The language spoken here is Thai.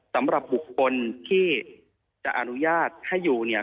สำหรับบุคคลที่จะอนุญาตให้อยู่เนี่ย